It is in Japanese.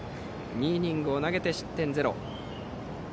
２イニングを投げて失点ゼロ。